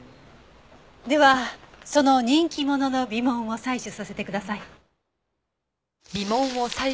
ではその人気者の鼻紋を採取させてください。